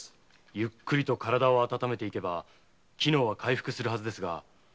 ゆっくりと体を温めてゆけば機能は回復するはずですが実際はどうでしょうか？